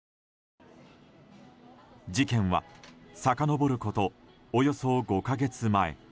事件は、さかのぼることおよそ５か月前。